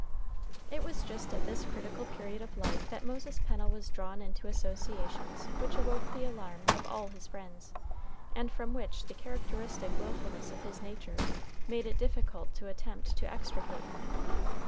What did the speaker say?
It was just at this critical period of life that Moses Pennel was drawn into associations which awoke the alarm of all his friends, and from which the characteristic willfulness of his nature made it difficult to attempt to extricate him.